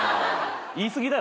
言い過ぎだよ